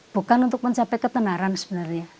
bukan untuk mencapai ketenaran sebenarnya